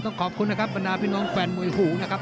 ขอบคุณนะครับบรรดาพี่น้องแฟนมวยหูนะครับ